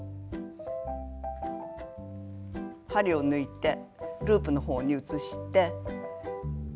針を抜いてループの方に移して。